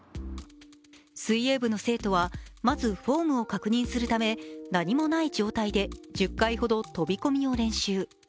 水泳部の生徒はまずホームを確認するため何もない状態で１０回ほど飛び込みを練習。